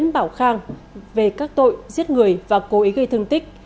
bảo khang về các tội giết người và cố ý gây thương tích